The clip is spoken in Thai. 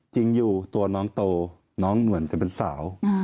จริงอยู่ตัวน้องโตน้องหนวลจะเป็นสาว